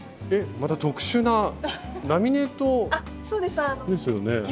えっまた特殊なラミネートですよね。